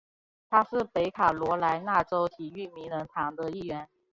他是北卡罗来纳州体育名人堂的一员。